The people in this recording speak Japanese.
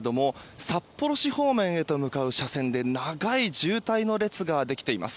札幌市方面へと向かう車線で長い渋滞の列ができています。